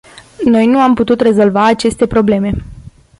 Noi nu am putut rezolva aceste probleme.